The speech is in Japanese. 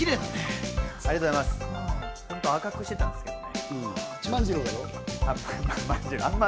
本当は赤くしてたんですけどね。